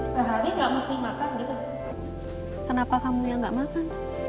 sehari nggak mesti makan gitu kenapa kamu yang nggak makan